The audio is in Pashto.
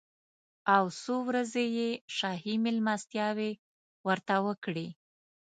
او څو ورځې یې شاهي مېلمستیاوې ورته وکړې.